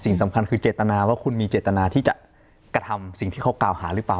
สิ่งสำคัญคือเจตนาว่าคุณมีเจตนาที่จะกระทำสิ่งที่เขากล่าวหาหรือเปล่า